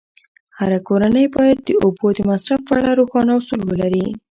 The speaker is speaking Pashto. هره کورنۍ باید د اوبو د مصرف په اړه روښانه اصول ولري.